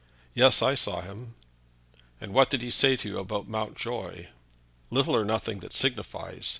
"Yes, I saw him." "And what did he say to you about Mountjoy?" "Little or nothing that signifies.